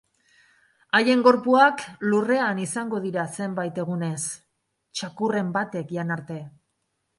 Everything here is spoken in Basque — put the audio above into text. Haien gorpuak lurrean izango dira zenbait egunez, txakurren batek jan arte.